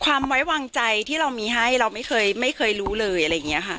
ความไว้วางใจที่เรามีให้เราไม่เคยไม่เคยรู้เลยอะไรอย่างนี้ค่ะ